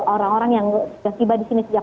orang orang yang tiba disini sejak